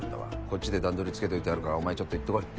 こっちで段取りつけといてやるからお前ちょっと行ってこい。